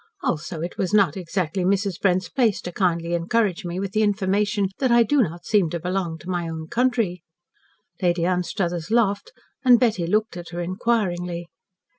Also it was not exactly Mrs. Brent's place to kindly encourage me with the information that I do not seem to belong to my own country." Lady Anstruthers laughed, and Betty looked at her inquiringly.